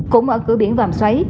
cũng ở cửa biển vàm xoáy